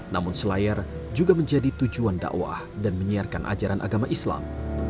namun selayar juga menjadi tujuan dakwah dan menyiarkan ajaran agama islam